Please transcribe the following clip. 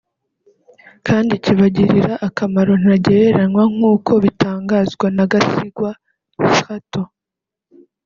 kandi kibagirira akamaro ntagereranywa nk’uko bitangazwa na Gasigwa Straton